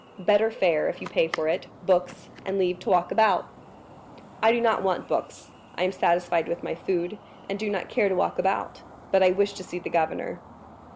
"Better fare, if you pay for it, books, and leave to walk about." "I do not want books, I am satisfied with my food, and do not care to walk about; but I wish to see the governor."